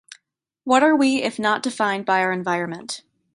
What are we if not defined by our environment?